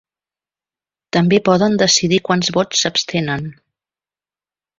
També poden decidir quants vots s’abstenen.